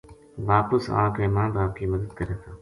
واپس آ کے ماں باپ کی مدد کرے تھا